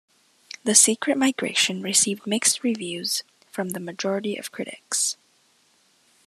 "The Secret Migration" received mixed reviews from the majority of critics.